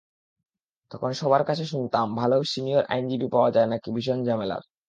তখন সবার কাছে শুনতাম, ভালো সিনিয়র আইনজীবী পাওয়া নাকি ভীষণ ঝামেলার।